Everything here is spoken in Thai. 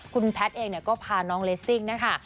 คุณแพทย์เองก็พาน้องเลสซิ่งนะคะ